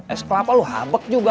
es kelapa lu habek juga